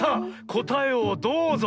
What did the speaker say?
こたえをどうぞ！